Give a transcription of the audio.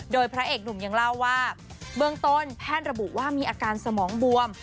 โดยพระเอกหนุ่มยังเล่าว่าเบื้องต้นแพทย์ระบุว่ามีอาการสมองบวม